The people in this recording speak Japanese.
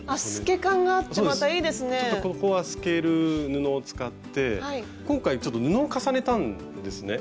ちょっとここは透ける布を使って今回ちょっと布を重ねたんですね